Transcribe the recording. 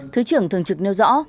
thứ trưởng thường trực nêu rõ